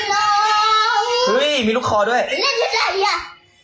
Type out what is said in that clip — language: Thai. ลูกลูกที่ชอบการขายน้ำ